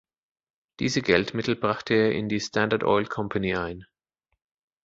Diese Geldmittel brachte er in die Standard Oil Company ein.